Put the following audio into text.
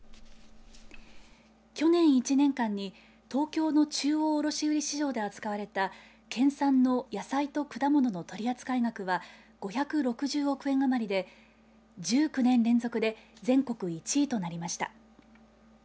去年１年間に東京の中央卸売市場で扱われた県産の野菜と果物の取り扱い額は５６０億円余りで１９年連続で全国１位となりました。